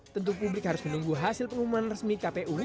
tentu publik harus menunggu hasil pengumuman resmi kpu